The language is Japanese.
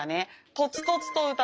とつとつと歌う。